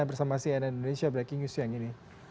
bersama saya nn indonesia breaking news yang ini